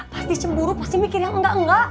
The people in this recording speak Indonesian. pas dicemburu pasti mikir yang enggak enggak